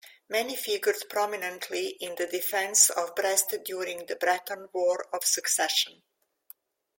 Manny figured prominently in the defense of Brest during the Breton War of Succession.